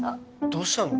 どうしたの？